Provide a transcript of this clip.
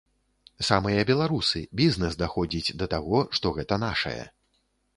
Самыя беларусы, бізнэс даходзіць да таго, што гэта нашае.